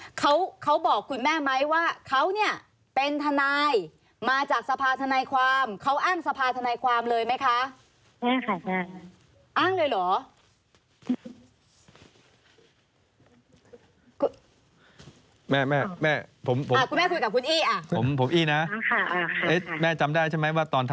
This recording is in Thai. เขาเขาบอกคุณแม่ไหมว่าเขาเนี่ยเป็นทนายมาจากสภาธนายความเขาอ้างสภาธนายความเลยไหมคะ